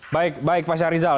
baik baik pak syarizal